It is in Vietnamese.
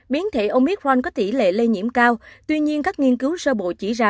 biến thể omicron có tỷ lệ lây nhiễm cao tuy nhiên các nghiên cứu sơ bộ chỉ ra